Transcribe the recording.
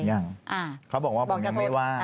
ยังเขาบอกว่าผมยังไม่ว่า